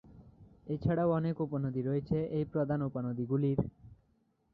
এছাড়াও অনেক উপনদী রয়েছে এই প্রধান উপনদী গুলির।